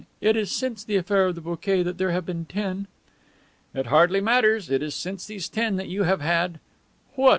It is since the affair of the bouquet that there have been ten." "It hardly matters. It is since these ten that you have had..." "What?"